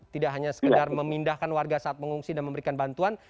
tidak hanya sekedar memindahkan warga saat mengungsi dan memberikan bantuan